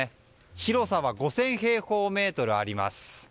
広さは５０００平方メートルあります。